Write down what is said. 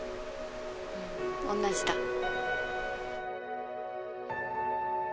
おんなじだ。